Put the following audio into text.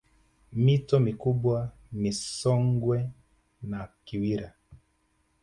Mito mikubwa ni Songwe na Kiwira